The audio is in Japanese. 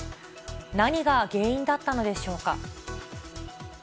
何が原因だったのでしょうか。